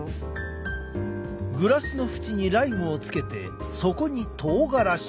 グラスの縁にライムをつけてそこにとうがらし。